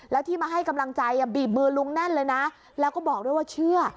แล้วที่มาให้กำลังใจบีบมือลุงแน่นเลยนะแล้วก็บอกด้วยว่าเชื่อ